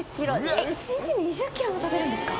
１日２０ｋｇも食べるんですか？